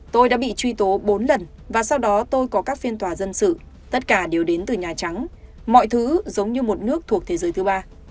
tôi đã bị truy tố bốn lần và sau đó tôi có các phiên tòa dân sự tất cả đều đến từ nhà trắng mọi thứ giống như một nước thuộc thế giới thứ ba